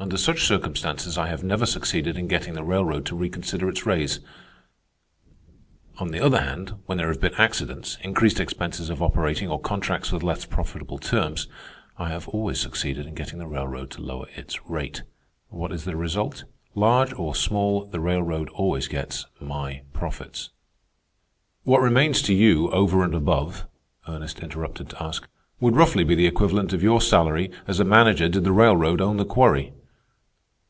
Under such circumstances I have never succeeded in getting the railroad to reconsider its raise. On the other hand, when there have been accidents, increased expenses of operating, or contracts with less profitable terms, I have always succeeded in getting the railroad to lower its rate. What is the result? Large or small, the railroad always gets my profits." "What remains to you over and above," Ernest interrupted to ask, "would roughly be the equivalent of your salary as a manager did the railroad own the quarry."